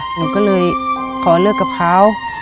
หนูก็เลยขอเลิกกับเขา